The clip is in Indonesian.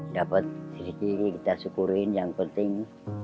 dapat sedikit kita syukurin yang penting